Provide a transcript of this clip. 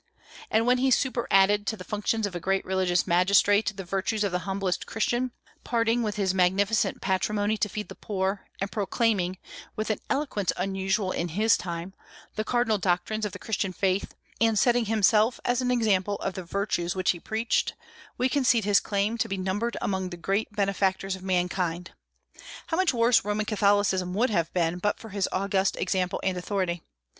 And when he superadded to the functions of a great religious magistrate the virtues of the humblest Christian, parting with his magnificent patrimony to feed the poor, and proclaiming (with an eloquence unusual in his time) the cardinal doctrines of the Christian faith, and setting himself as an example of the virtues which he preached, we concede his claim to be numbered among the great benefactors of mankind. How much worse Roman Catholicism would have been but for his august example and authority!